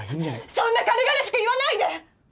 そんな軽々しく言わないで！！